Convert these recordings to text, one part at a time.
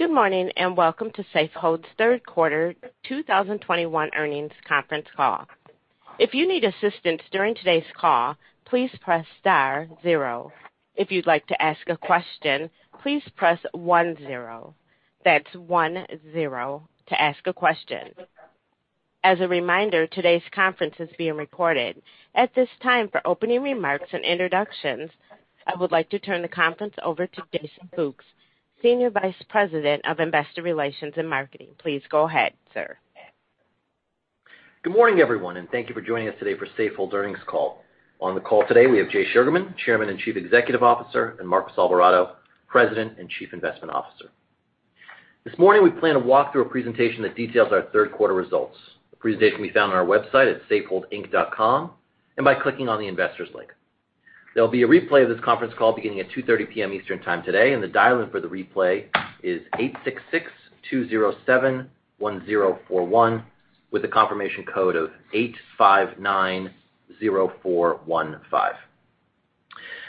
Good morning, welcome to Safehold's third quarter 2021 earnings conference call. If you need assistance during today's call please press star zero. If you'd like to ask a question please press one zero, that's one zero to ask a question. As a reminder, today's conference is being recorded. At this time, for opening remarks and introductions, I would like to turn the conference over to Jason Fooks, Senior Vice President of Investor Relations and Marketing. Please go ahead, sir. Good morning, everyone, and thank you for joining us today for Safehold's earnings call. On the call today, we have Jay Sugarman, Chairman and Chief Executive Officer, and Marcos Alvarado, President and Chief Investment Officer. This morning, we plan to walk through a presentation that details our third quarter results. The presentation can be found on our website at safeholdinc.com, and by clicking on the Investors link. There'll be a replay of this conference call beginning at 2:30 P.M. Eastern time today, and the dial-in for the replay is 866-207-1041, with a confirmation code of 8590415.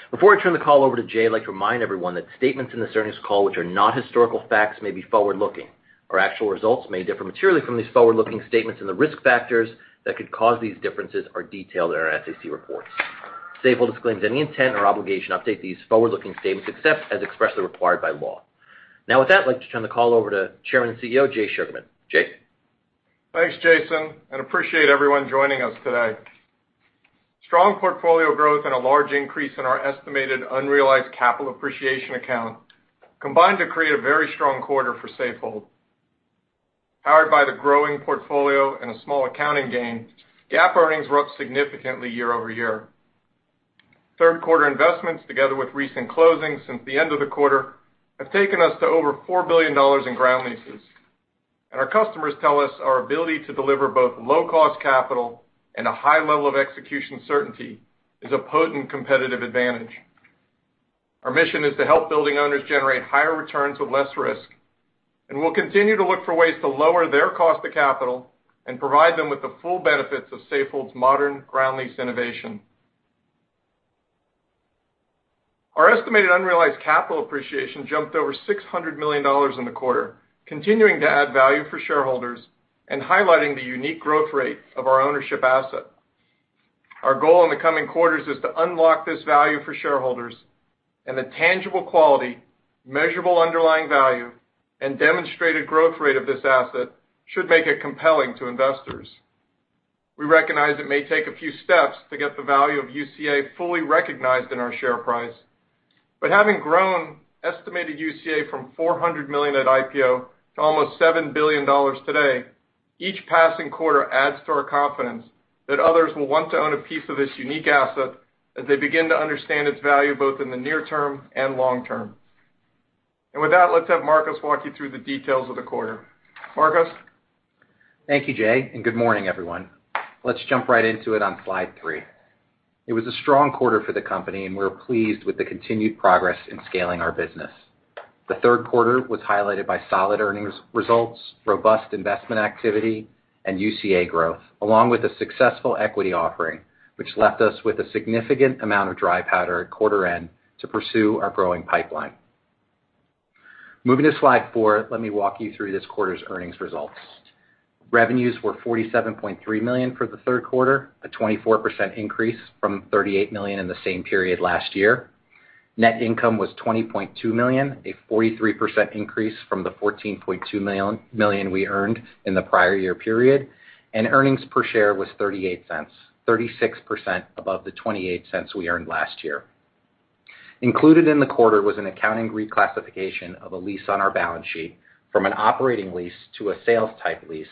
Before I turn the call over to Jay, I'd like to remind everyone that statements in this earnings call which are not historical facts may be forward-looking. Our actual results may differ materially from these forward-looking statements and the risk factors that could cause these differences are detailed in our SEC reports. Safehold disclaims any intent or obligation to update these forward-looking statements except as expressly required by law. Now, with that, I'd like to turn the call over to Chairman and CEO, Jay Sugarman. Jay? Thanks, Jason. I appreciate everyone joining us today. Strong portfolio growth and a large increase in our estimated Unrealized Capital Appreciation account combined to create a very strong quarter for Safehold. Powered by the growing portfolio and a small accounting gain, GAAP earnings were up significantly year-over-year. Third quarter investments, together with recent closings since the end of the quarter, have taken us to over $4 billion in ground leases. Our customers tell us our ability to deliver both low-cost capital and a high level of execution certainty is a potent competitive advantage. Our mission is to help building owners generate higher returns with less risk, and we'll continue to look for ways to lower their cost to capital and provide them with the full benefits of Safehold's modern ground lease innovation. Our estimated Unrealized Capital Appreciation jumped over $600 million in the quarter, continuing to add value for shareholders and highlighting the unique growth rate of our ownership asset. Our goal in the coming quarters is to unlock this value for shareholders, and the tangible quality, measurable underlying value, and demonstrated growth rate of this asset should make it compelling to investors. We recognize it may take a few steps to get the value of UCA fully recognized in our share price, but having grown estimated UCA from $400 million at IPO to almost $7 billion today, each passing quarter adds to our confidence that others will want to own a piece of this unique asset as they begin to understand its value, both in the near term and long term. With that, let's have Marcos walk you through the details of the quarter. Marcos? Thank you, Jay. Good morning, everyone. Let's jump right into it on slide three. It was a strong quarter for the company. We're pleased with the continued progress in scaling our business. The third quarter was highlighted by solid earnings results, robust investment activity, and UCA growth, along with a successful equity offering, which left us with a significant amount of dry powder at quarter end to pursue our growing pipeline. Moving to slide four, let me walk you through this quarter's earnings results. Revenues were $47.3 million for the third quarter, a 24% increase from $38 million in the same period last year. Net income was $20.2 million, a 43% increase from the $14.2 million we earned in the prior year period. Earnings per share was $0.38, 36% above the $0.28 we earned last year. Included in the quarter was an accounting reclassification of a lease on our balance sheet from an operating lease to a sales-type lease,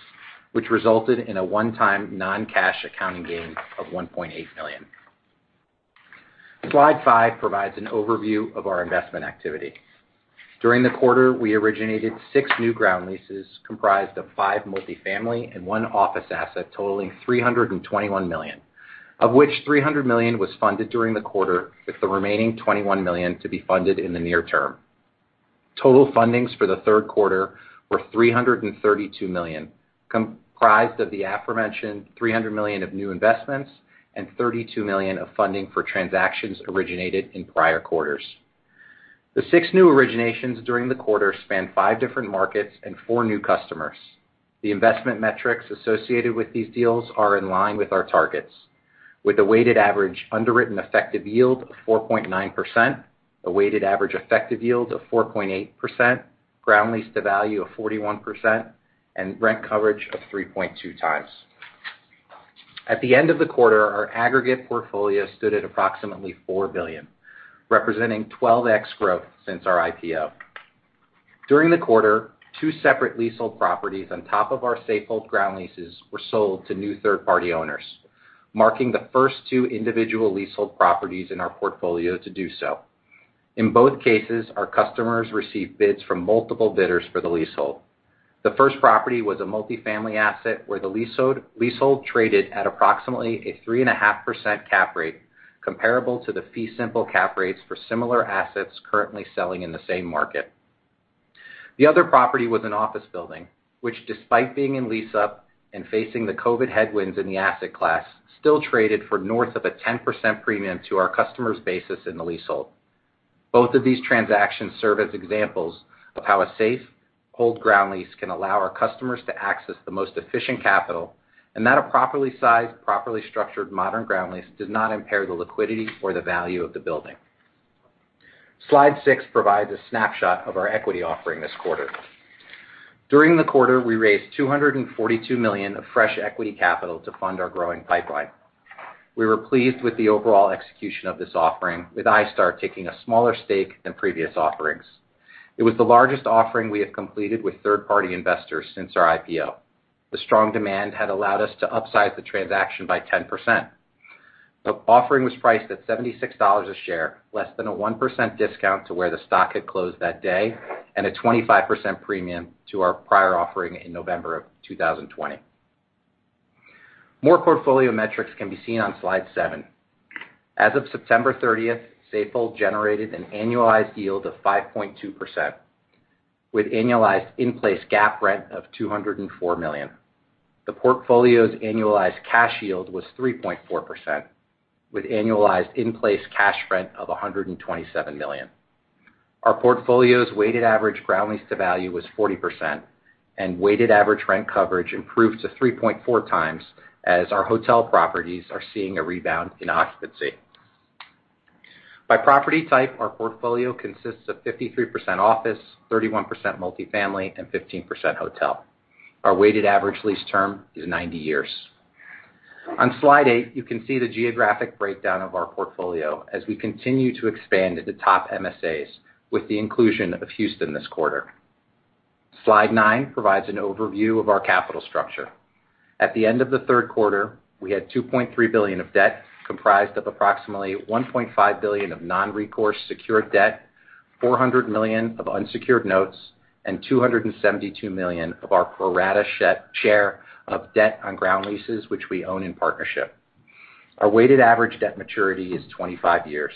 which resulted in a one-time non-cash accounting gain of $1.8 million. Slide five provides an overview of our investment activity. During the quarter, we originated six new ground leases comprised of five multifamily and one office asset totaling $321 million, of which $300 million was funded during the quarter, with the remaining $21 million to be funded in the near term. Total fundings for the third quarter were $332 million, comprised of the aforementioned $300 million of new investments and $32 million of funding for transactions originated in prior quarters. The six new originations during the quarter span five different markets and four new customers. The investment metrics associated with these deals are in line with our targets, with a weighted average underwritten effective yield of 4.9%, a weighted average effective yield of 4.8%, ground lease to value of 41%, and rent coverage of 3.2x. At the end of the quarter, our aggregate portfolio stood at approximately $4 billion, representing 12x growth since our IPO. During the quarter, two separate leasehold properties on top of our Safehold ground leases were sold to new third-party owners, marking the first two individual leasehold properties in our portfolio to do so. In both cases, our customers received bids from multiple bidders for the leasehold. The first property was a multifamily asset where the leasehold traded at approximately a 3.5% cap rate, comparable to the fee simple cap rates for similar assets currently selling in the same market. The other property was an office building, which despite being in lease-up and facing the COVID headwinds in the asset class, still traded for north of a 10% premium to our customer's basis in the leasehold. Both of these transactions serve as examples of how a Safehold ground lease can allow our customers to access the most efficient capital, and that a properly sized, properly structured modern ground lease does not impair the liquidity or the value of the building. Slide six provides a snapshot of our equity offering this quarter. During the quarter, we raised $242 million of fresh equity capital to fund our growing pipeline. We were pleased with the overall execution of this offering, with iStar taking a smaller stake than previous offerings. It was the largest offering we have completed with third-party investors since our IPO. The strong demand had allowed us to upsize the transaction by 10%. The offering was priced at $76 a share, less than a 1% discount to where the stock had closed that day, and a 25% premium to our prior offering in November of 2020. More portfolio metrics can be seen on slide seven. As of September 30th, Safehold generated an annualized yield of 5.2%, with annualized in-place GAAP rent of $204 million. The portfolio's annualized cash yield was 3.4%, with annualized in-place cash rent of $127 million. Our portfolio's weighted average ground lease to value was 40%, and weighted average rent coverage improved to 3.4x, as our hotel properties are seeing a rebound in occupancy. By property type, our portfolio consists of 53% office, 31% multi-family, and 15% hotel. Our weighted average lease term is 90 years. On slide eight, you can see the geographic breakdown of our portfolio as we continue to expand at the top MSAs, with the inclusion of Houston this quarter. Slide nine provides an overview of our capital structure. At the end of the third quarter, we had $2.3 billion of debt, comprised of approximately $1.5 billion of non-recourse secured debt, $400 million of unsecured notes, and $272 million of our pro rata share of debt on ground leases which we own in partnership. Our weighted average debt maturity is 25 years.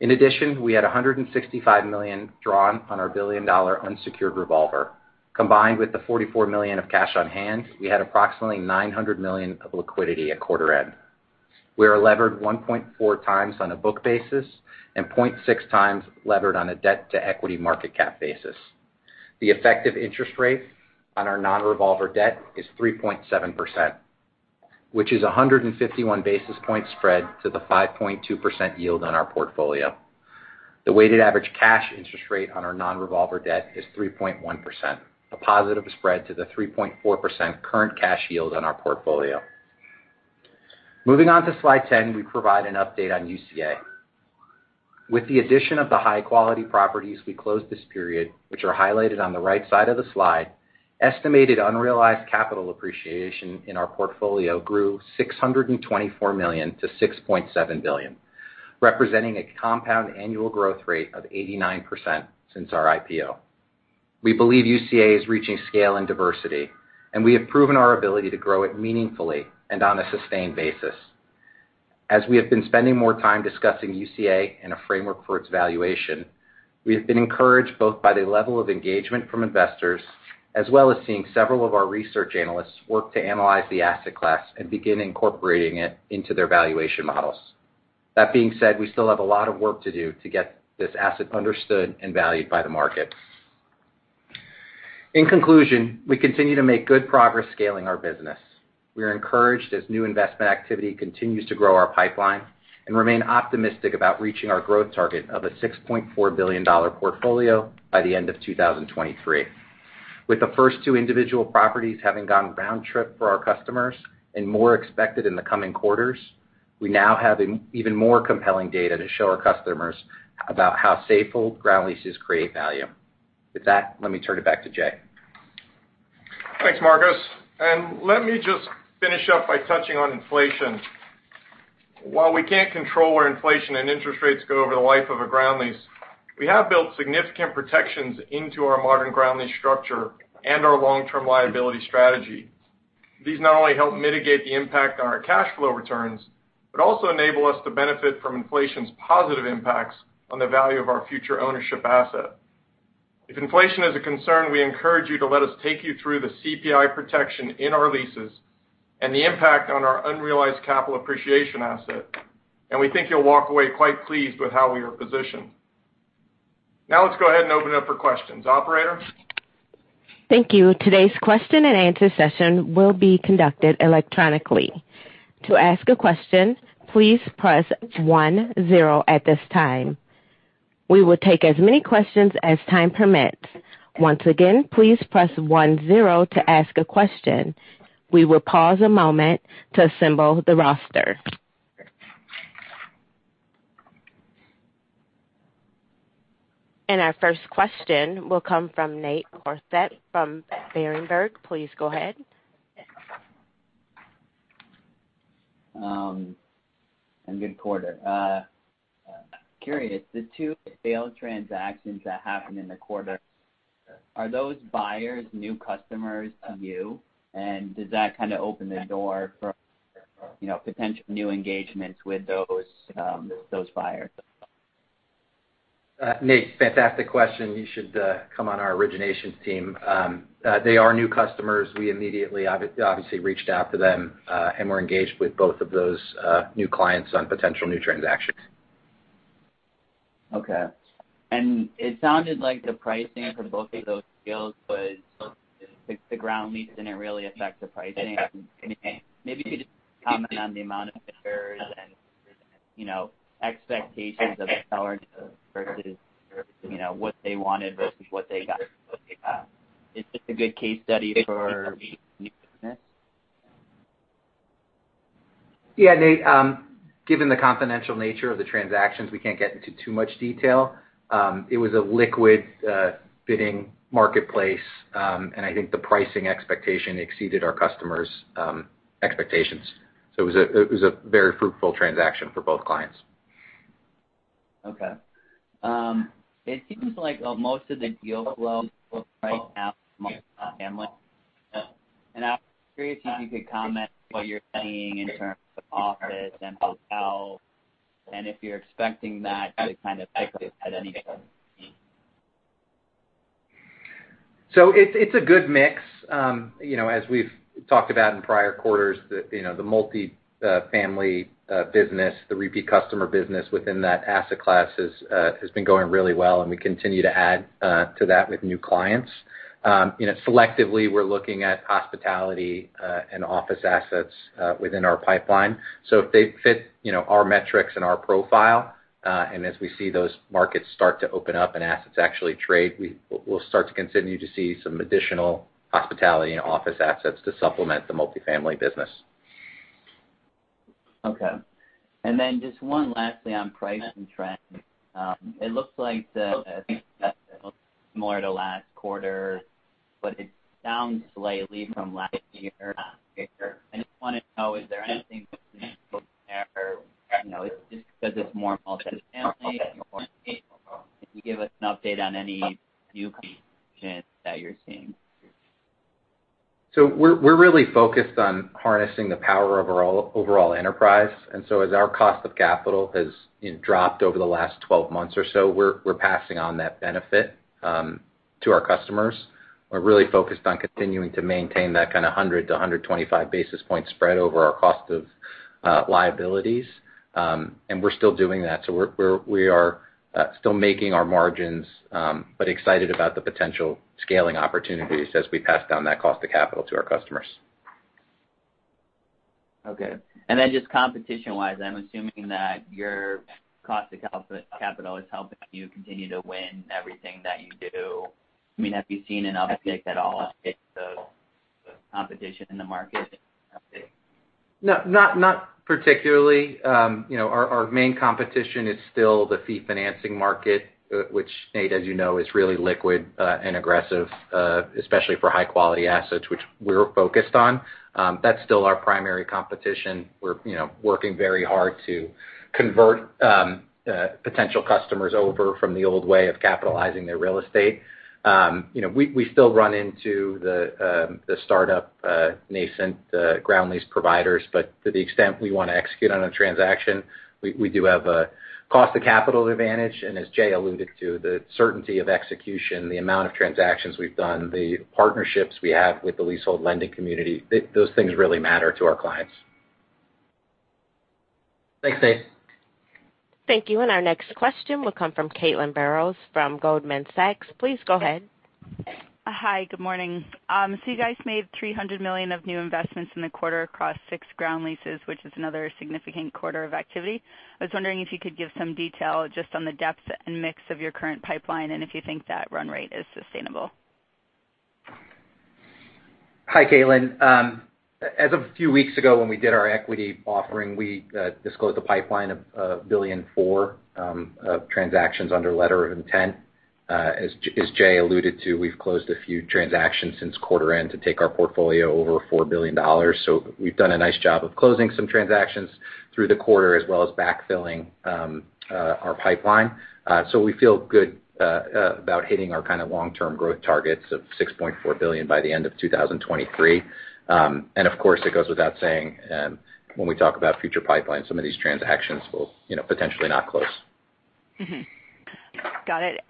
In addition, we had $165 million drawn on our billion-dollar unsecured revolver. Combined with the $44 million of cash on hand, we had approximately $900 million of liquidity at quarter end. We are levered 1.4x on a book basis and 0.6x levered on a debt-to-equity market cap basis. The effective interest rate on our non-revolver debt is 3.7%, which is 151 basis point spread to the 5.2% yield on our portfolio. The weighted average cash interest rate on our non-revolver debt is 3.1%, a positive spread to the 3.4% current cash yield on our portfolio. Moving on to slide 10, we provide an update on UCA. With the addition of the high-quality properties we closed this period, which are highlighted on the right side of the slide, estimated unrealized capital appreciation in our portfolio grew $624 million to $6.7 billion, representing a compound annual growth rate of 89% since our IPO. We believe UCA is reaching scale and diversity, we have proven our ability to grow it meaningfully and on a sustained basis. As we have been spending more time discussing UCA and a framework for its valuation, we have been encouraged both by the level of engagement from investors, as well as seeing several of our research analysts work to analyze the asset class and begin incorporating it into their valuation models. That being said, we still have a lot of work to do to get this asset understood and valued by the market. In conclusion, we continue to make good progress scaling our business. We are encouraged as new investment activity continues to grow our pipeline, and remain optimistic about reaching our growth target of a $6.4 billion portfolio by the end of 2023. With the first two individual properties having gone ground lease for our customers, and more expected in the coming quarters, we now have even more compelling data to show our customers about how Safehold ground leases create value. With that, let me turn it back to Jay. Thanks, Marcos. Let me just finish up by touching on inflation. While we can't control where inflation and interest rates go over the life of a ground lease, we have built significant protections into our modern ground lease structure and our long-term liability strategy. These not only help mitigate the impact on our cash flow returns, but also enable us to benefit from inflation's positive impacts on the value of our future ownership asset. If inflation is a concern, we encourage you to let us take you through the CPI protection in our leases and the impact on our unrealized capital appreciation asset, and we think you'll walk away quite pleased with how we are positioned. Let's go ahead and open it up for questions. Operator? Thank you. Today's question and answer session will be conducted electronically. To ask a question, please press one zero at this time. We will take as many questions as time permits. Once again, please press one zero to ask a question. We will pause a moment to assemble the roster. Our first question will come from Nate Crossett from Berenberg. Please go ahead. Good quarter. Curious, the two failed transactions that happened in the quarter, are those buyers new customers to you? Does that kind of open the door for potential new engagements with those buyers? Nate, fantastic question. You should come on our origination team. They are new customers. We immediately obviously reached out to them, and we're engaged with both of those new clients on potential new transactions. Okay. It sounded like the pricing for both of those deals was, the ground lease didn't really affect the pricing. Maybe if you could just comment on the amount of and expectations of the seller versus what they wanted versus what they got. Is this a good case study for new business? Yeah, Nate. Given the confidential nature of the transactions, we can't get into too much detail. It was a liquid bidding marketplace, and I think the pricing expectation exceeded our customers' expectations. It was a very fruitful transaction for both clients. Okay. It seems like most of the deal flow right now is multi-family. I was curious if you could comment what you're seeing in terms of office and hotel, and if you're expecting that to kind of pick up at any point. It's a good mix. As we've talked about in prior quarters, the multi-family business, the repeat customer business within that asset class has been going really well, and we continue to add to that with new clients. Selectively, we're looking at hospitality and office assets within our pipeline. If they fit our metrics and our profile, and as we see those markets start to open up and assets actually trade, we'll start to continue to see some additional hospitality and office assets to supplement the multi-family business. Okay. Just one lastly on pricing trends. It looks like the similar to last quarter, but it's down slightly from last year. I just want to know, is there anything to there, or is it just because it's more multi-family? Can you give us an update on any new trends that you're seeing? We're really focused on harnessing the power of our overall enterprise, as our cost of capital has dropped over the last 12 months or so, we're passing on that benefit to our customers. We're really focused on continuing to maintain that kind of 100-125 basis point spread over our cost of liabilities. We're still doing that. We are still making our margins, but excited about the potential scaling opportunities as we pass down that cost of capital to our customers. Okay. Just competition-wise, I'm assuming that your cost of capital is helping you continue to win everything that you do. Have you seen an uptick at all in the competition in the market? Not particularly. Our main competition is still the fee financing market, which, Nate, as you know, is really liquid and aggressive, especially for high-quality assets, which we're focused on. That's still our primary competition. We're working very hard to convert potential customers over from the old way of capitalizing their real estate. We still run into the startup nascent ground lease providers, but to the extent we want to execute on a transaction, we do have a cost of capital advantage, and as Jay alluded to, the certainty of execution, the amount of transactions we've done, the partnerships we have with the leasehold lending community, those things really matter to our clients. Thanks, Nate. Thank you. Our next question will come from Caitlin Burrows from Goldman Sachs. Please go ahead. Hi. Good morning. You guys made $300 million of new investments in the quarter across six ground leases, which is another significant quarter of activity. I was wondering if you could give some detail just on the depth and mix of your current pipeline, and if you think that run rate is sustainable. Hi, Caitlin. As of a few weeks ago when we did our equity offering, we disclosed a pipeline of $1.4 billion of transactions under letter of intent. As Jay alluded to, we've closed a few transactions since quarter end to take our portfolio over $4 billion. We've done a nice job of closing some transactions through the quarter, as well as backfilling our pipeline. We feel good about hitting our kind of long-term growth targets of $6.4 billion by the end of 2023. Of course, it goes without saying, when we talk about future pipelines, some of these transactions will potentially not close. Got it.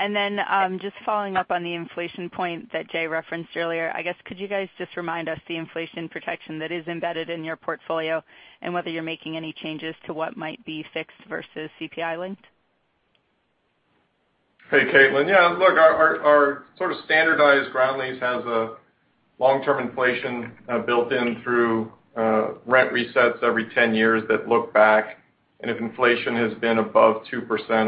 Just following up on the inflation point that Jay referenced earlier, I guess could you guys just remind us the inflation protection that is embedded in your portfolio, and whether you're making any changes to what might be fixed versus CPI-linked? Hey, Caitlin. Yeah, look, our sort of standardized ground lease has a long-term inflation built in through rent resets every 10 years that look back, and if inflation has been above 2%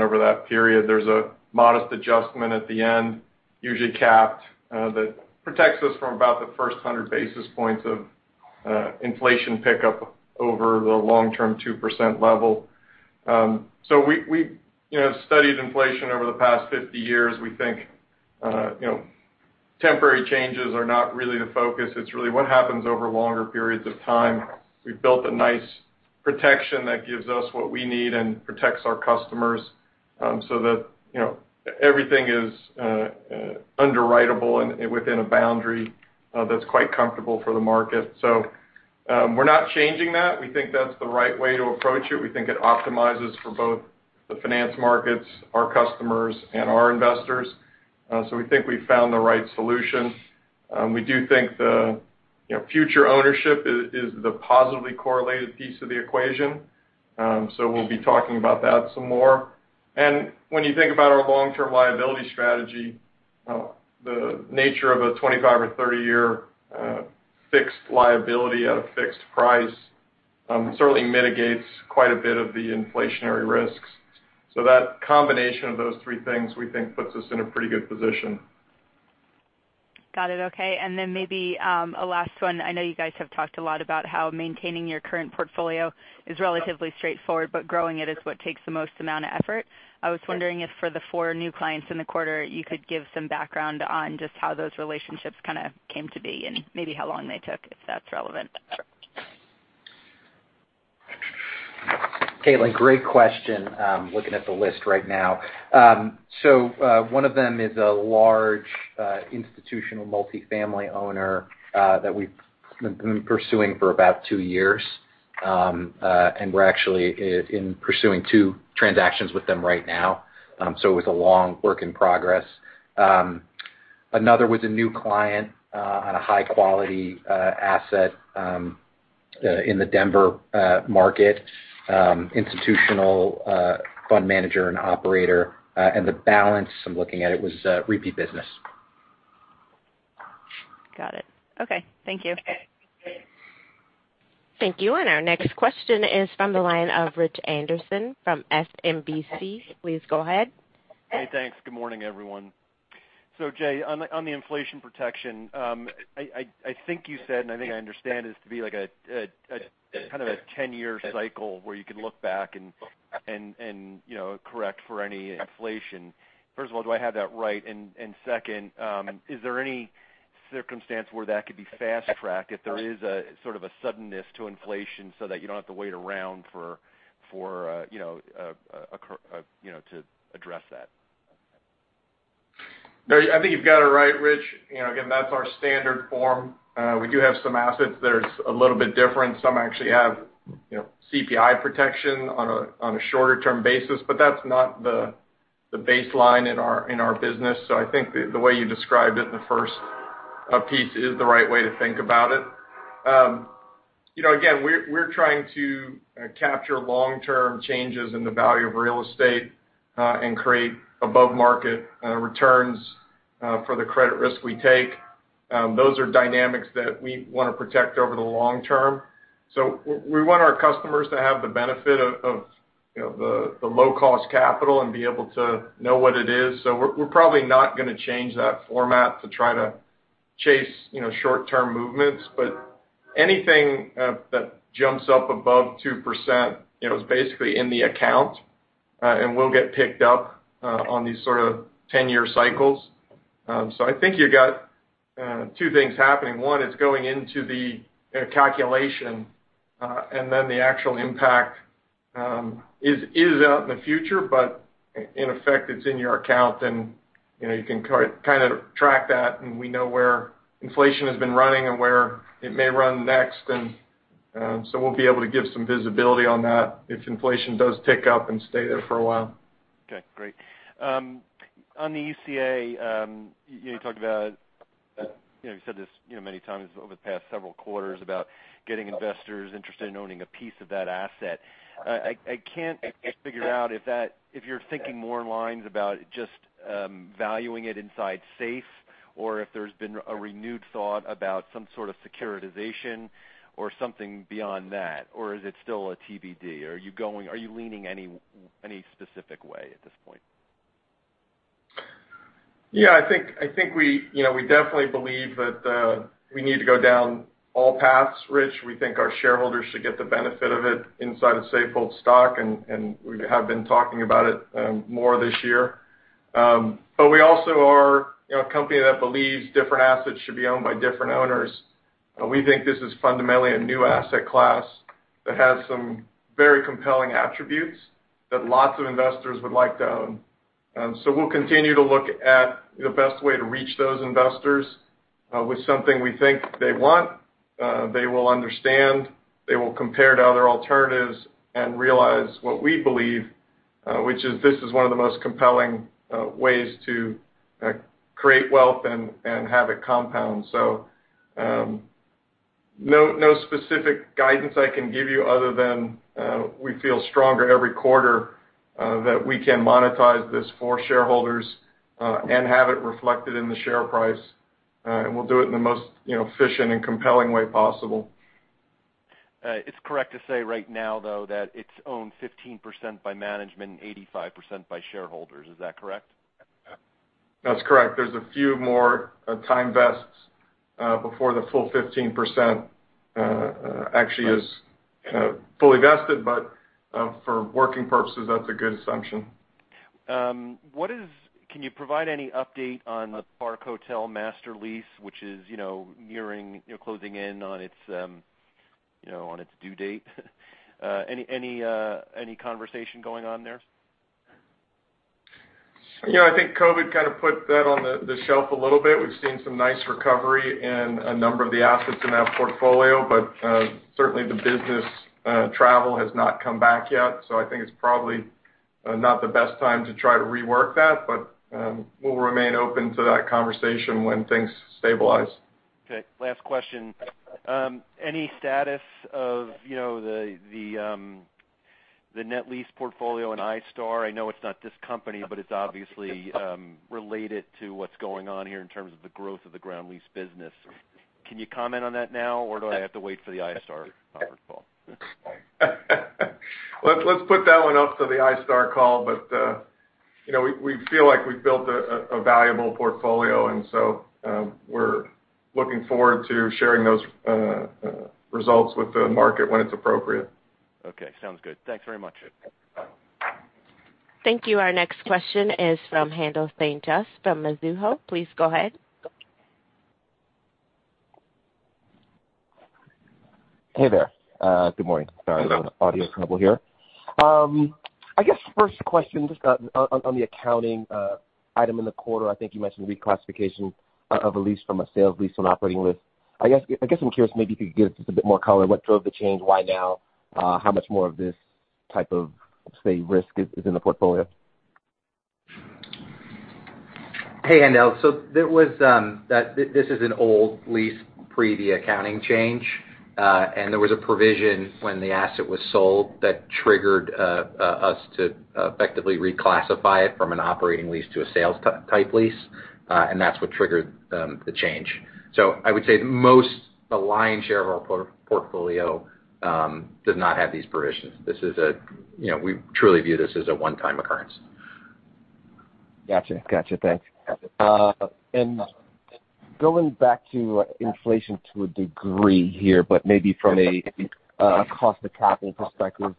over that period, there's a modest adjustment at the end, usually capped, that protects us from about the first 100 basis points of inflation pickup over the long-term 2% level. We studied inflation over the past 50 years. We think temporary changes are not really the focus. It's really what happens over longer periods of time. We've built a nice protection that gives us what we need and protects our customers so that everything is underwriteable and within a boundary that's quite comfortable for the market. We're not changing that. We think that's the right way to approach it. We think it optimizes for both the finance markets, our customers, and our investors. We think we've found the right solution. We do think the future ownership is the positively correlated piece of the equation. We'll be talking about that some more. When you think about our long-term liability strategy, the nature of a 25-year or 30-year fixed liability at a fixed price certainly mitigates quite a bit of the inflationary risks. That combination of those three things, we think, puts us in a pretty good position. Got it. Okay. Maybe a last one. I know you guys have talked a lot about how maintaining your current portfolio is relatively straightforward, but growing it is what takes the most amount of effort. I was wondering if for the four new clients in the quarter, you could give some background on just how those relationships kind of came to be and maybe how long they took, if that's relevant. Caitlin, great question. I'm looking at the list right now. One of them is a large institutional multifamily owner that we've been pursuing for about two years. We're actually in pursuing two transactions with them right now. It was a long work in progress. Another was a new client on a high-quality asset in the Denver market, institutional fund manager and operator. The balance, I'm looking at it, was repeat business. Got it. Okay. Thank you. Thank you. Our next question is from the line of Richard Anderson from SMBC. Please go ahead. Hey, thanks. Good morning, everyone. Jay, on the inflation protection, I think you said, and I think I understand it to be a kind of 10-year cycle where you can look back and correct for any inflation. First of all, do I have that right? Second, is there any circumstance where that could be fast-tracked if there is a sort of a suddenness to inflation so that you don't have to wait around to address that? I think you've got it right, Rich. That's our standard form. We do have some assets that are a little bit different. Some actually have CPI protection on a shorter-term basis, but that's not the baseline in our business. I think the way you described it in the first piece is the right way to think about it. We're trying to capture long-term changes in the value of real estate and create above-market returns for the credit risk we take. Those are dynamics that we want to protect over the long term. We want our customers to have the benefit of the low-cost capital and be able to know what it is. We're probably not going to change that format to try to chase short-term movements. Anything that jumps up above 2% is basically in the account and will get picked up on these sort of 10-year cycles. I think you got two things happening. One is going into the calculation, and then the actual impact is out in the future, but in effect, it's in your account, and you can kind of track that, and we know where inflation has been running and where it may run next. We'll be able to give some visibility on that if inflation does tick up and stay there for a while. Okay, great. On the UCA, you talked about, you said this many times over the past several quarters about getting investors interested in owning a piece of that asset. I can't figure out if you're thinking more in lines about just valuing it inside SAFE or if there's been a renewed thought about some sort of securitization or something beyond that, or is it still a TBD? Are you leaning any specific way at this point? Yeah, I think we definitely believe that we need to go down all paths, Rich. We think our shareholders should get the benefit of it inside of Safehold stock, and we have been talking about it more this year. We also are a company that believes different assets should be owned by different owners. We think this is fundamentally a new asset class that has some very compelling attributes that lots of investors would like to own. We'll continue to look at the best way to reach those investors with something we think they want, they will understand, they will compare to other alternatives, and realize what we believe, which is this is one of the most compelling ways to create wealth and have it compound. No specific guidance I can give you other than we feel stronger every quarter that we can monetize this for shareholders and have it reflected in the share price, and we'll do it in the most efficient and compelling way possible. It's correct to say right now, though, that it's owned 15% by management and 85% by shareholders. Is that correct? That's correct. There's a few more time vests before the full 15% actually is fully vested. For working purposes, that's a good assumption. Can you provide any update on the Park Hotels master lease, which is nearing closing in on its due date? Any conversation going on there? I think COVID kind of put that on the shelf a little bit. We've seen some nice recovery in a number of the assets in that portfolio, but certainly the business travel has not come back yet. I think it's probably not the best time to try to rework that. We'll remain open to that conversation when things stabilize. Okay, last question. Any status of the net lease portfolio in iStar? I know it's not this company, but it's obviously related to what's going on here in terms of the growth of the ground lease business. Can you comment on that now, or do I have to wait for the iStar conference call? Let's put that one up to the iStar call. We feel like we've built a valuable portfolio. We're looking forward to sharing those results with the market when it's appropriate. Okay, sounds good. Thanks very much. Thank you. Our next question is from Haendel St. Juste from Mizuho. Please go ahead. Hey there. Good morning. Sorry, a little audio trouble here. I guess first question, just on the accounting item in the quarter, I think you mentioned reclassification of a lease from a sales-type lease to an operating lease. I guess I'm curious, maybe if you could give us just a bit more color, what drove the change, why now? How much more of this type of, let's say, risk is in the portfolio? Hey, Haendel. This is an old lease pre the accounting change. There was a provision when the asset was sold that triggered us to effectively reclassify it from an operating lease to a sales-type lease. That's what triggered the change. I would say the most lion's share of our portfolio does not have these provisions. We truly view this as a one-time occurrence. Got you. Thanks. Going back to inflation to a degree here, maybe from a cost of capital perspective.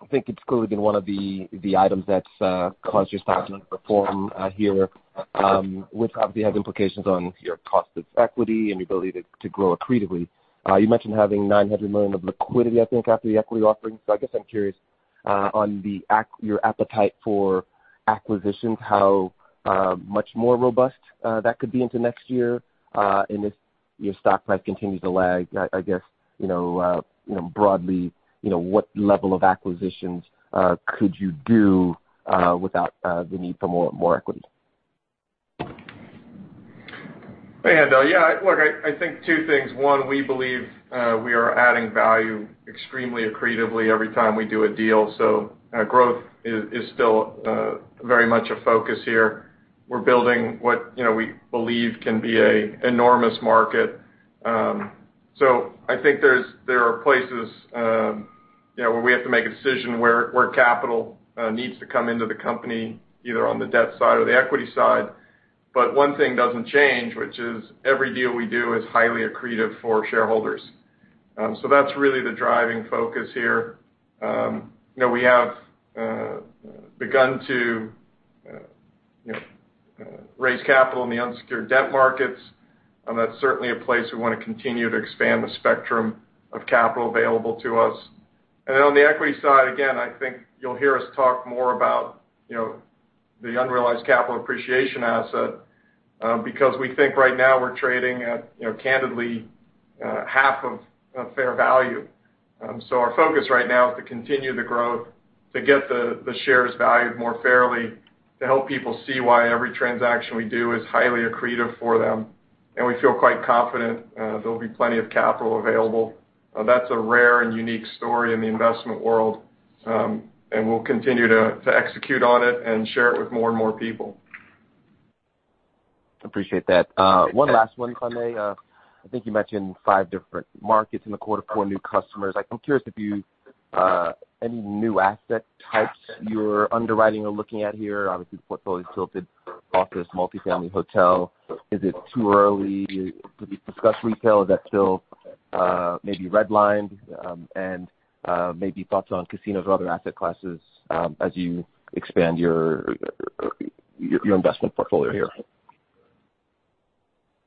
I think it's clearly been one of the items that's caused your stock underperform here, which obviously has implications on your cost of equity and your ability to grow accretively. You mentioned having $900 million of liquidity, I think, after the equity offering. I guess I'm curious on your appetite for acquisitions, how much more robust that could be into next year. If your stock price continues to lag, I guess, broadly, what level of acquisitions could you do without the need for more equity? Hey, Haendel. Yeah, look, I think two things. One, we believe we are adding value extremely accretively every time we do a deal. Growth is still very much a focus here. We're building what we believe can be an enormous market. I think there are places where we have to make a decision where capital needs to come into the company, either on the debt side or the equity side. One thing doesn't change, which is every deal we do is highly accretive for shareholders. That's really the driving focus here. We have begun to raise capital in the unsecured debt markets. That's certainly a place we want to continue to expand the spectrum of capital available to us. Then on the equity side, again, I think you'll hear us talk more about the Unrealized Capital Appreciation asset, because we think right now we're trading at, candidly, half of fair value. Our focus right now is to continue the growth, to get the shares valued more fairly, to help people see why every transaction we do is highly accretive for them. We feel quite confident there'll be plenty of capital available. That's a rare and unique story in the investment world. We'll continue to execute on it and share it with more and more people. Appreciate that. One last one, kindly. I think you mentioned five different markets in the quarter, four new customers. I'm curious any new asset types you're underwriting or looking at here? Obviously, the portfolio's tilted office, multi-family hotel. Is it too early to discuss retail? Is that still maybe red lined? Maybe thoughts on casinos or other asset classes as you expand your investment portfolio here.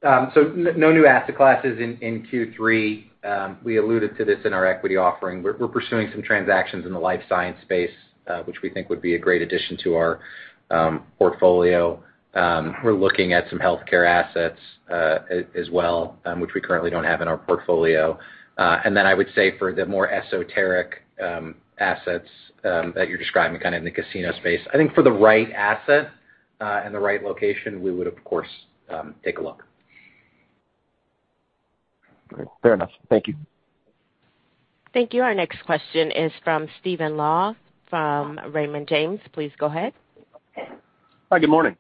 No new asset classes in Q3. We alluded to this in our equity offering. We're pursuing some transactions in the life science space, which we think would be a great addition to our portfolio. We're looking at some healthcare assets as well, which we currently don't have in our portfolio. Then I would say for the more esoteric assets that you're describing kind of in the casino space, I think for the right asset and the right location, we would of course take a look. Great. Fair enough. Thank you. Thank you. Our next question is from Stephen Laws from Raymond James. Please go ahead. Hi, good morning.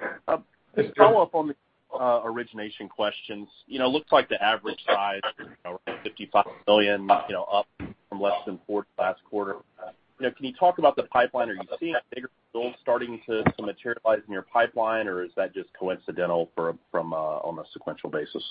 Hey, Stephen. Just follow up on the origination questions. Looks like the average size, around $55 million, up from less than $4 last quarter. Can you talk about the pipeline? Are you seeing a bigger deal starting to materialize in your pipeline, or is that just coincidental on a sequential basis?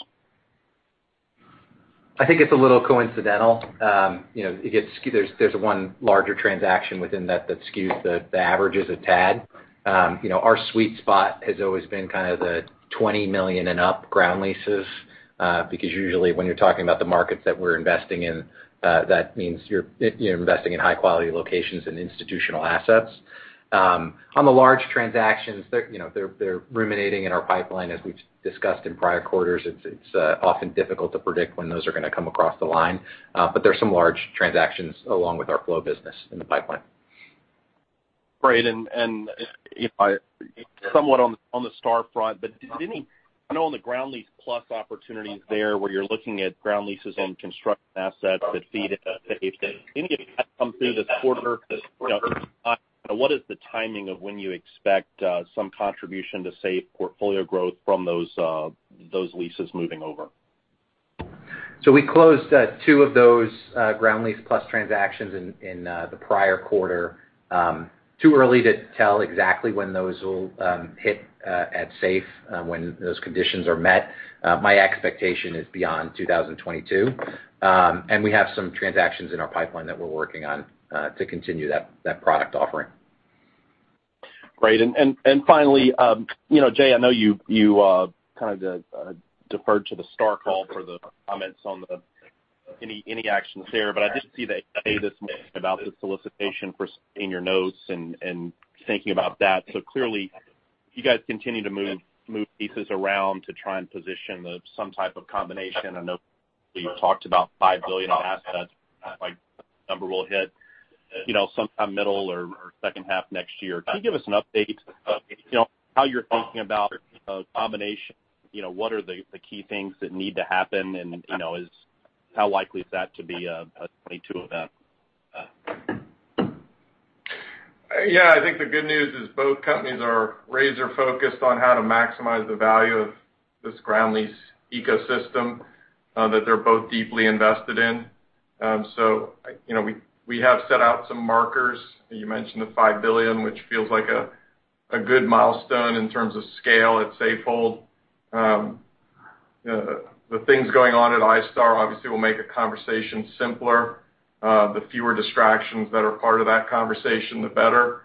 I think it's a little coincidental. There's one larger transaction within that skews the averages a tad. Our sweet spot has always been kind of the $20 million and up ground leases, because usually when you're talking about the markets that we're investing in, that means you're investing in high-quality locations and institutional assets. On the large transactions, they're ruminating in our pipeline, as we've discussed in prior quarters. It's often difficult to predict when those are going to come across the line. There's some large transactions along with our flow business in the pipeline. Great. Somewhat on the iStar front, I know on the Ground Lease Plus opportunities there, where you're looking at ground leases and construction assets that feed into Safehold. Did any of that come through this quarter? What is the timing of when you expect some contribution to, say, portfolio growth from those leases moving over? We closed two of those Ground Lease Plus transactions in the prior quarter. Too early to tell exactly when those will hit at Safe, when those conditions are met. My expectation is beyond 2022. We have some transactions in our pipeline that we're working on to continue that product offering. Finally, Jay, I know you kind of deferred to the iStar call for the comments on any actions there. I did see the 8-K this morning about the solicitation for senior notes and thinking about that. Clearly, you guys continue to move pieces around to try and position some type of combination. I know we've talked about $5 billion assets, like the number we'll hit, sometime middle or second half 2022. Can you give us an update of how you're thinking about a combination? What are the key things that need to happen and how likely is that to be a 2022 event? Yeah. I think the good news is both companies are razor focused on how to maximize the value of this ground lease ecosystem that they're both deeply invested in. We have set out some markers. You mentioned the $5 billion, which feels like a good milestone in terms of scale at Safehold. The things going on at iStar obviously will make a conversation simpler. The fewer distractions that are part of that conversation, the better.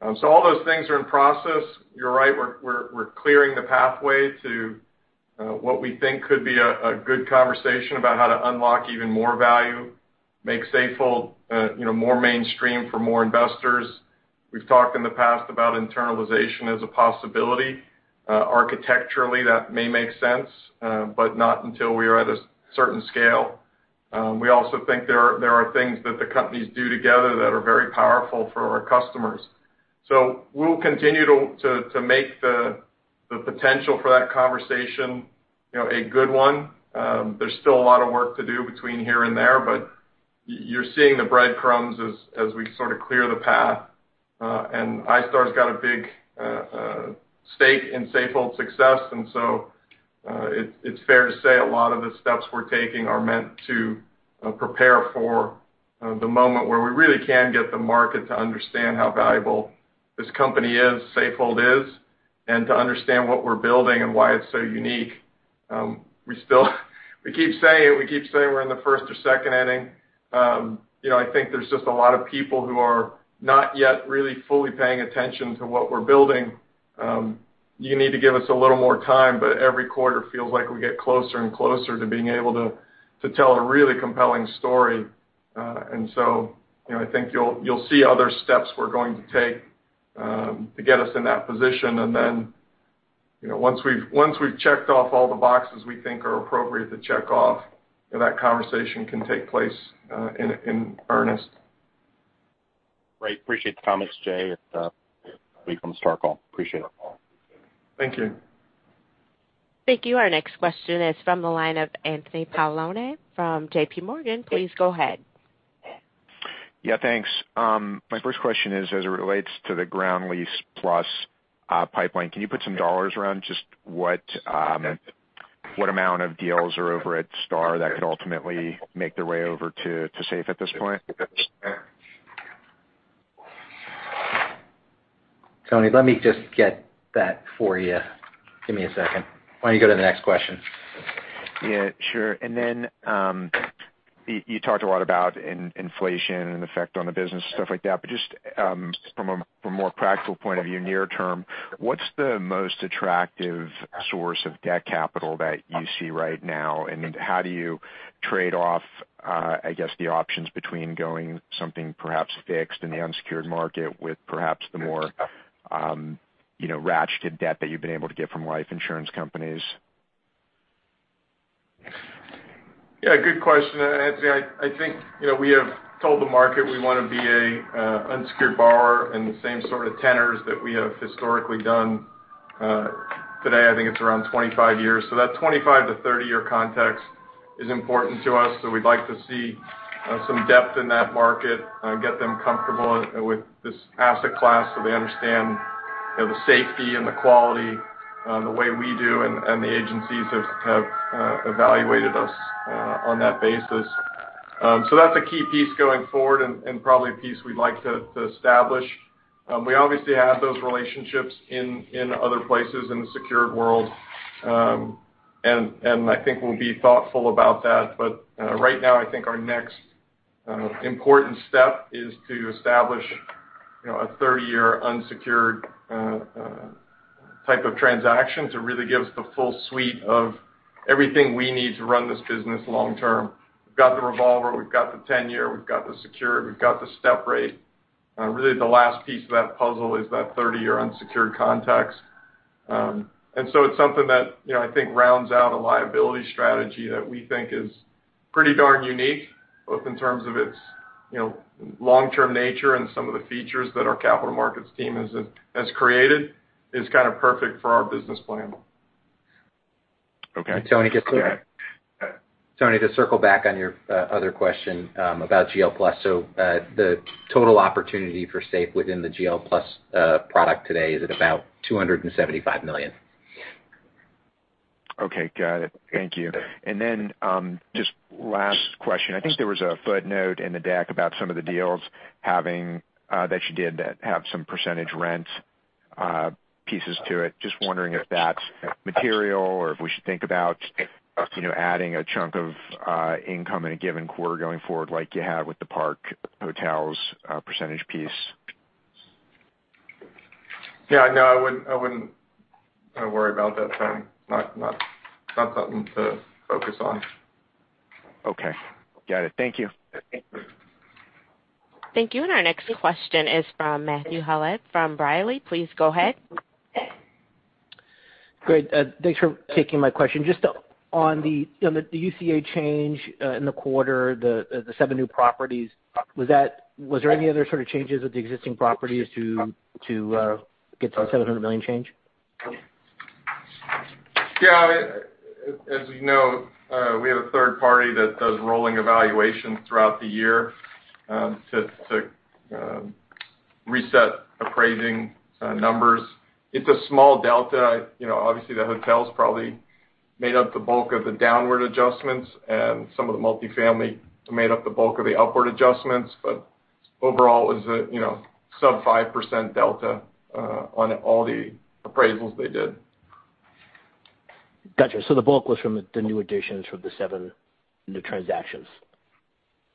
All those things are in process. You're right. We're clearing the pathway to what we think could be a good conversation about how to unlock even more value, make Safehold more mainstream for more investors. We've talked in the past about internalization as a possibility. Architecturally, that may make sense. Not until we are at a certain scale. We also think there are things that the companies do together that are very powerful for our customers. We'll continue to make the potential for that conversation a good one. There's still a lot of work to do between here and there, but you're seeing the breadcrumbs as we sort of clear the path. iStar's got a big stake in Safehold's success. It's fair to say a lot of the steps we're taking are meant to prepare for the moment where we really can get the market to understand how valuable this company is, Safehold is, and to understand what we're building and why it's so unique. We keep saying we're in the first or second inning. I think there's just a lot of people who are not yet really fully paying attention to what we're building. You need to give us a little more time, but every quarter feels like we get closer and closer to being able to tell a really compelling story. I think you'll see other steps we're going to take to get us in that position. Once we've checked off all the boxes we think are appropriate to check off, that conversation can take place in earnest. Great. Appreciate the comments, Jay, from the iStar call. Appreciate it. Thank you. Thank you. Our next question is from the line of Anthony Paolone from JPMorgan. Please go ahead. Yeah, thanks. My first question is as it relates to the Ground Lease Plus pipeline, can you put some dollars around just what amount of deals are over at iStar that could ultimately make their way over to Safe at this point? Tony, let me just get that for you. Give me a second. Why don't you go to the next question? Yeah, sure. You talked a lot about inflation and effect on the business, stuff like that. Just from a more practical point of view, near term, what's the most attractive source of debt capital that you see right now? How do you trade off I guess the options between going something perhaps fixed in the unsecured market with perhaps the more ratcheted debt that you've been able to get from life insurance companies? Yeah, good question, Anthony. I think we have told the market we want to be a unsecured borrower in the same sort of tenors that we have historically done. Today, I think it's around 25 years. That 25- to 30-year context is important to us, so we'd like to see some depth in that market and get them comfortable with this asset class, so they understand the safety and the quality the way we do, and the agencies have evaluated us on that basis. That's a key piece going forward and probably a piece we'd like to establish. We obviously have those relationships in other places in the secured world. I think we'll be thoughtful about that. Right now, I think our next important step is to establish a 30-year unsecured type of transaction to really give us the full suite of everything we need to run this business long term. We've got the revolver, we've got the 10-year, we've got the secured, we've got the step rate. The last piece of that puzzle is that 30-year unsecured context. It's something that I think rounds out a liability strategy that we think is pretty darn unique, both in terms of its long-term nature and some of the features that our capital markets team has created, is kind of perfect for our business plan. Okay. Tony. Go ahead. Tony, to circle back on your other question about GL Plus, the total opportunity for SAFE within the GL Plus product today is at about $275 million. Okay, got it. Thank you. Just last question, I think there was a footnote in the deck about some of the deals that you did that have some percentage rent pieces to it. Just wondering if that's material or if we should think about adding a chunk of income in a given quarter going forward like you have with the Park Hotels percentage piece. Yeah, no, I wouldn't worry about that, Tony. Not something to focus on. Okay. Got it. Thank you. Thank you. Our next question is from Matthew Howlett from B. Riley. Please go ahead. Great. Thanks for taking my question. Just on the UCA change in the quarter, the seven new properties, was there any other sort of changes with the existing properties to get to that $700 million change? Yeah. As we know, we have a third party that does rolling evaluations throughout the year to reset appraising numbers. It's a small delta. Obviously, the hotels probably made up the bulk of the downward adjustments, and some of the multi-family made up the bulk of the upward adjustments. Overall, it was a sub 5% delta on all the appraisals they did. Got you. The bulk was from the new additions from the seven new transactions?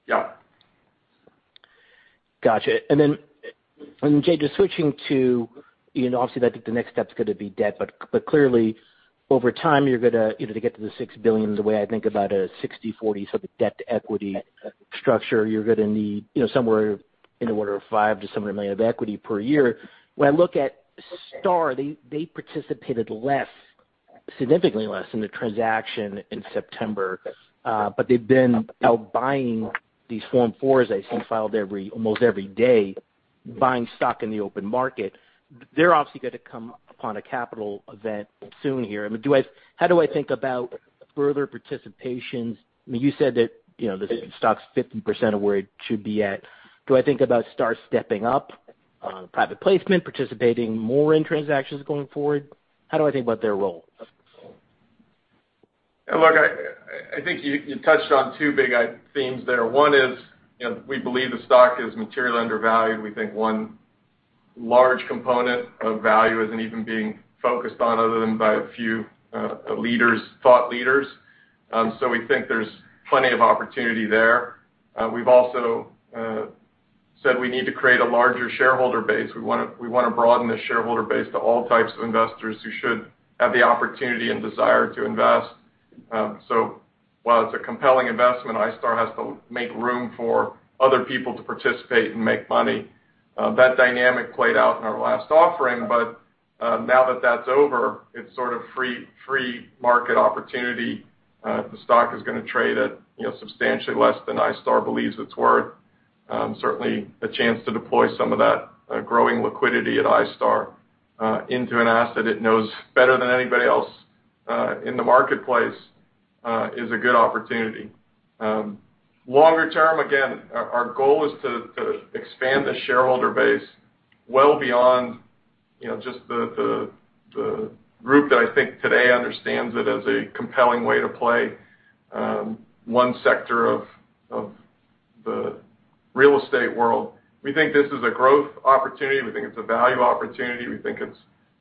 Yeah. Got you. Jay, just switching to, obviously, I think the next step's gonna be debt, but clearly over time you're gonna, to get to the $6 billion, the way I think about a 60/40 sort of debt to equity structure, you're gonna need somewhere in the order of $500 million-$700 million of equity per year. When I look at iStar, they participated less, significantly less in the transaction in September. They've been out buying these Form 4s I see filed almost every day, buying stock in the open market. They're obviously gonna come upon a capital event soon here. How do I think about further participation? You said that the stock's 50% of where it should be at. Do I think about iStar stepping up, private placement, participating more in transactions going forward? How do I think about their role? I think you touched on two big themes there. One is, we believe the stock is materially undervalued. We think one large component of value isn't even being focused on other than by a few thought leaders. We think there's plenty of opportunity there. We've also said we need to create a larger shareholder base. We want to broaden the shareholder base to all types of investors who should have the opportunity and desire to invest. While it's a compelling investment, iStar has to make room for other people to participate and make money. That dynamic played out in our last offering, but now that that's over, it's sort of free market opportunity. The stock is going to trade at substantially less than iStar believes it's worth. Certainly, a chance to deploy some of that growing liquidity at iStar into an asset it knows better than anybody else in the marketplace, is a good opportunity. Longer term, again, our goal is to expand the shareholder base well beyond just the group that I think today understands it as a compelling way to play one sector of the real estate world. We think this is a growth opportunity. We think it's a value opportunity. We think it's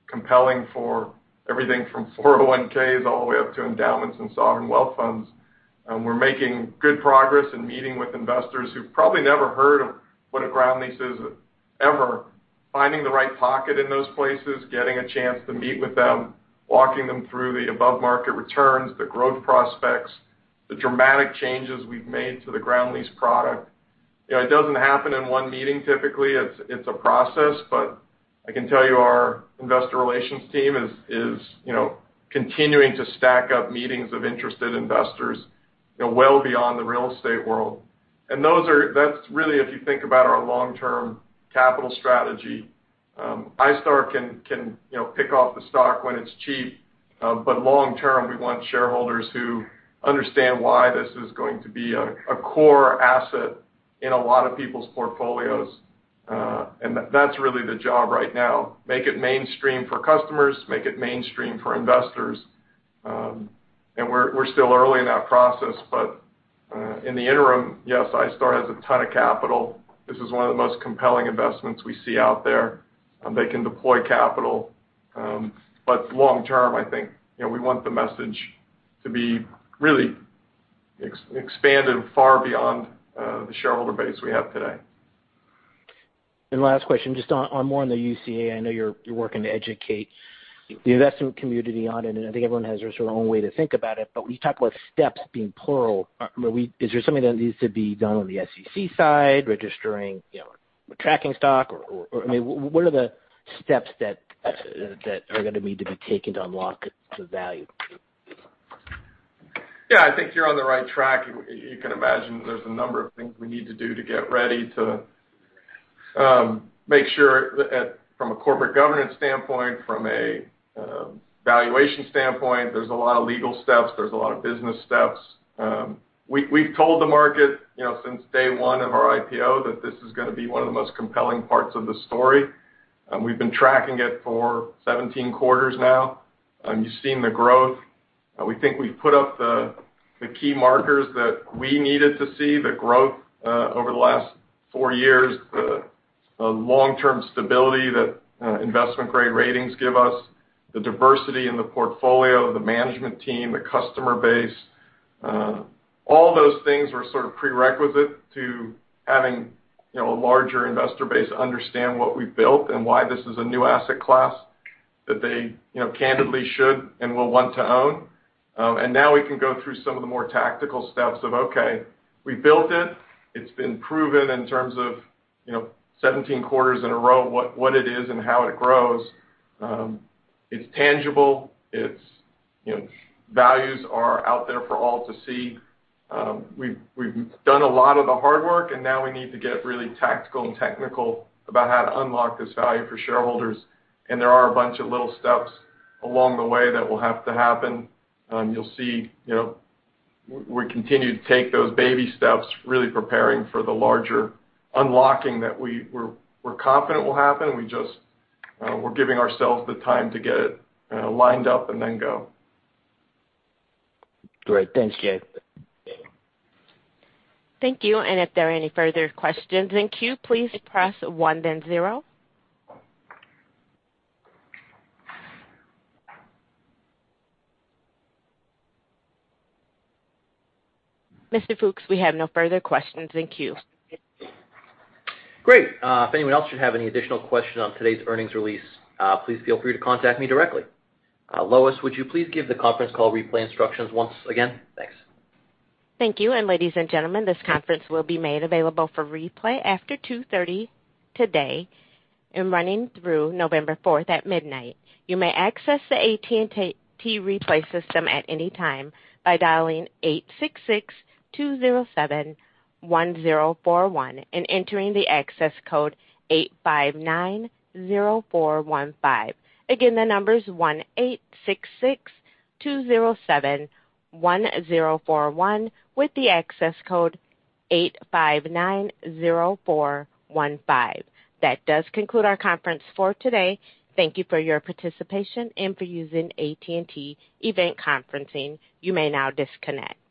compelling for everything from 401(k)s all the way up to endowments and sovereign wealth funds. We're making good progress in meeting with investors who've probably never heard of what a ground lease is, ever. We are finding the right pocket in those places, getting a chance to meet with them, walking them through the above-market returns, the growth prospects, the dramatic changes we've made to the ground lease product. It doesn't happen in one meeting, typically. It's a process. I can tell you our investor relations team is continuing to stack up meetings of interested investors well beyond the real estate world. That's really, if you think about our long-term capital strategy, iStar can pick off the stock when it's cheap. Long term, we want shareholders who understand why this is going to be a core asset in a lot of people's portfolios. That's really the job right now. Make it mainstream for customers, make it mainstream for investors. We're still early in that process, but in the interim, yes, iStar has a ton of capital. This is one of the most compelling investments we see out there, and they can deploy capital. Long term, I think we want the message to be really expanded far beyond the shareholder base we have today. Last question, just on more on the UCA, I know you're working to educate the investment community on it, and I think everyone has their own way to think about it. When you talk about steps being plural, is there something that needs to be done on the SEC side, registering, tracking stock, or what are the steps that are going to need to be taken to unlock the value? Yeah, I think you're on the right track. You can imagine there's a number of things we need to do to get ready to make sure from a corporate governance standpoint, from a valuation standpoint, there's a lot of legal steps, there's a lot of business steps. We've told the market since day one of our IPO that this is gonna be one of the most compelling parts of the story. We've been tracking it for 17 quarters now. You've seen the growth. We think we've put up the key markers that we needed to see, the growth over the last four years, the long-term stability that investment-grade ratings give us, the diversity in the portfolio, the management team, the customer base. All those things were sort of prerequisite to having a larger investor base understand what we've built and why this is a new asset class that they candidly should and will want to own. Now we can go through some of the more tactical steps of, okay, we built it. It's been proven in terms of 17 quarters in a row what it is and how it grows. It's tangible. Its values are out there for all to see. We've done a lot of the hard work, and now we need to get really tactical and technical about how to unlock this value for shareholders. There are a bunch of little steps along the way that will have to happen. You'll see we continue to take those baby steps, really preparing for the larger unlocking that we're confident will happen. We're giving ourselves the time to get it lined up and then go. Great. Thanks, Jay. Thank you. If there are any further questions in queue, please press one then zero. Mr. Fooks, we have no further questions in queue. Great. If anyone else should have any additional questions on today's earnings release, please feel free to contact me directly. Lois, would you please give the conference call replay instructions once again? Thanks. Thank you. Ladies and gentlemen, this conference will be made available for replay after 2:30 today and running through November 4th at midnight. You may access the AT&T replay system at any time by dialing 866-207-1041 and entering the access code 8590415. Again, the number is 1-866-207-1041 with the access code 8590415. That does conclude our conference for today. Thank you for your participation and for using AT&T event conferencing. You may now disconnect.